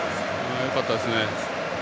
よかったですね。